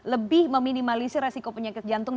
lebih meminimalisi resiko penyakit jantung